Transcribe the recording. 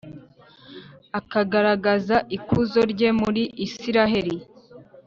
akagaragaza ikuzo rye muri israheli.